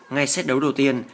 ngay xét đấu đầu tiên